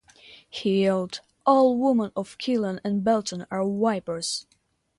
He yelled, All women of Killeen and Belton are vipers!